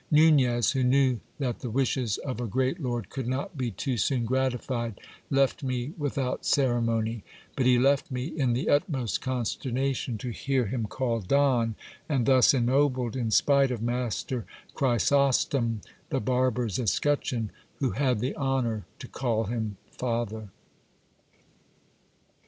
Nunez, who knew that the wishes of a great lord could not be too soon gratified, left me without ceremony ; but he left me in the utmost consternation, to hear him called Don, and thus ennobled, in spite of master Chrysostom the barber's escutcheon, who had the honour to call him father.